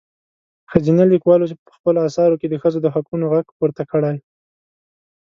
ښځينه لیکوالو په خپلو اثارو کې د ښځو د حقونو غږ پورته کړی.